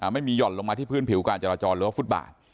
หย่อนลงมาที่พื้นผิวการจราจรหรือว่าฟุตบาท